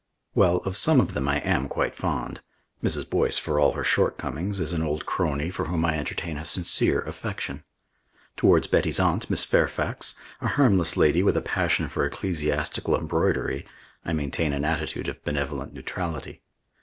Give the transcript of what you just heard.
Well, of some of them I am quite fond. Mrs. Boyce, for all her shortcomings, is an old crony for whom I entertain a sincere affection. Towards Betty's aunt, Miss Fairfax, a harmless lady with a passion for ecclesiastical embroidery, I maintain an attitude of benevolent neutrality.